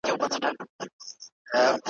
د خپلو تبلیغاتو لپاره کاروي `